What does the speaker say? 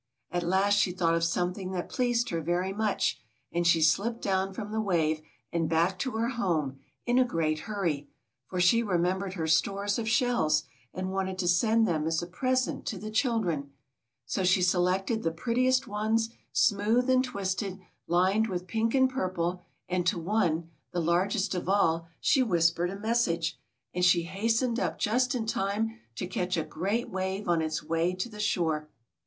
At last she thought of something that pleased her very much, and she slipped down from the wave and back to her home, in a great hurry; for she remembered her stores of shells, and wanted to send them as a present to the children. So she selected the prettiest ones, smooth and twisted, lined with pink and THE MERMAID'S MESSAGE. 7 purple, and to one, the largest of all, she whispered a message, and she hastened up just in time to catch a great wave on its way to the shore.